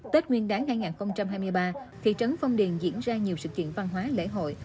tết nguyên đáng hai nghìn hai mươi ba thị trấn phong điền diễn ra nhiều sự kiện văn hóa lễ hội